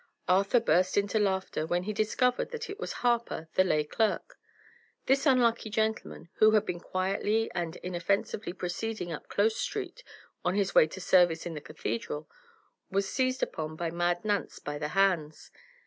Arthur burst into laughter when he discovered that it was Harper, the lay clerk. This unlucky gentleman, who had been quietly and inoffensively proceeding up Close Street on his way to service in the cathedral, was seized upon by Mad Nance by the hands.